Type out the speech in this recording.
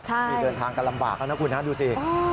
มีเดินทางกระลำบากแล้วนะคุณดูซิ